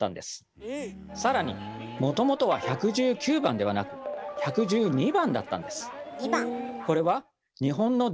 更にもともとは１１９番ではなく１１２番だったんです。